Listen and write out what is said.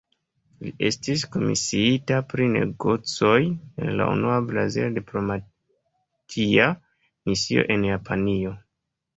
Li estis komisiita pri negocoj en la unua brazila diplomatia misio en Japanio.